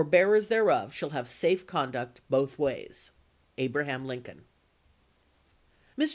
' bearers thereof shall have safe conduct both ways. Abraham Lincoln. Mr.